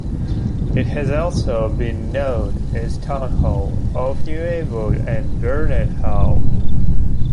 It has also been known as Town Hall of Nuevo, and Barnett Hall.